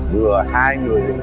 vừa hai người